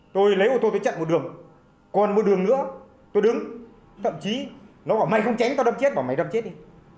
tôi lấy ô tô tôi chặn một đường còn một đường nữa tôi đứng thậm chí nó bảo mày không tránh tao đâm chết bảo mày đâm chết đi